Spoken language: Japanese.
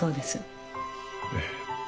ええ。